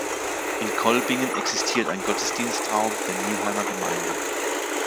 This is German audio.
In Kolbingen existiert ein Gottesdienstraum der Mühlheimer Gemeinde.